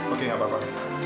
oke gak apa apa